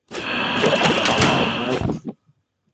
পালাও, মাইক।